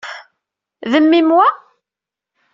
D mmi-m, wa?